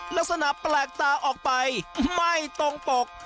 ลักษณะแปลกตาออกไปไม่ตรงปก